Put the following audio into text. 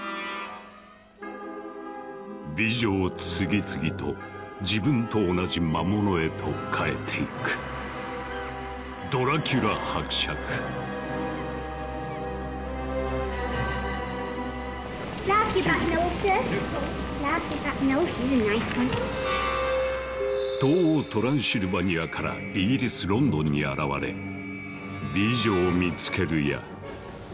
美女を次々と自分と同じ魔物へと変えていく東欧トランシルバニアからイギリスロンドンに現れ美女を見つけるや。